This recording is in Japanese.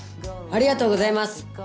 ありがとうございます！